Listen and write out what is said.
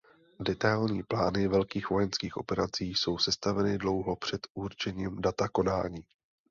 Detailní plány velkých vojenských operací jsou sestaveny dlouho před určením data konání.